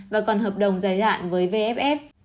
và còn hợp đồng giai đoạn với vff